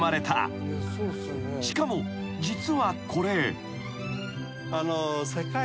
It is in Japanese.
［しかも実はこれ］